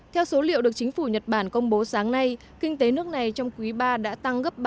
theo số liệu được chính phủ nhật bản công bố sáng nay kinh tế nước này trong quý ba đã tăng gấp ba